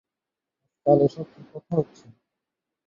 সুচরিতা সবেগে ঘাড় নাড়িয়া কহিল, না না, আজকাল এ-সব কী কথা হচ্ছে?